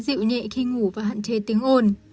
dịu nhẹ khi ngủ và hạn chế tiếng ồn